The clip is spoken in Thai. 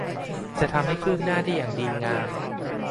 จะทำให้คืบหน้าได้อย่างดีงาม